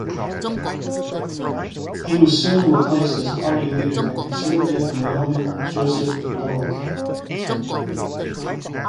He was soon replaced as party leader by conservative Mayoman Joseph Blowick.